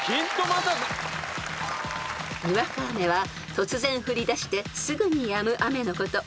［突然降りだしてすぐにやむ雨のこと］